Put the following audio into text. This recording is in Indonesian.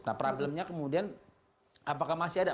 nah problemnya kemudian apakah masih ada